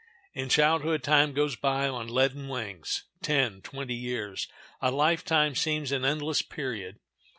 In childhood time goes by on leaden wings,—ten, twenty years, a life time seems an endless period.